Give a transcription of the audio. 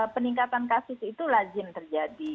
peningkatan kasus itu lazim terjadi